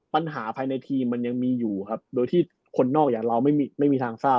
ปัญหาภายในทีมมันยังมีอยู่ครับโดยที่คนนอกอย่างเราไม่มีทางทราบ